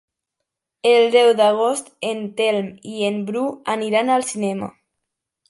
El deu d'agost en Telm i en Bru aniran al cinema.